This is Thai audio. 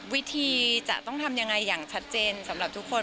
วิธีจะต้องทำยังไงอย่างชัดเจนสำหรับทุกคน